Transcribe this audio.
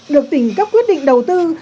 được tỉnh cấp quyết định đầu tư